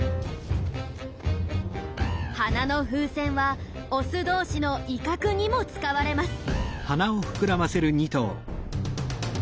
鼻の風船はオス同士の威嚇にも使われます。